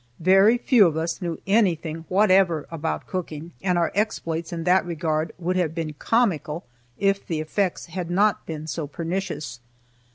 Very few of us knew anything whatever about cooking, and our exploits in that regard would have been comical if the effects had not been so pernicious.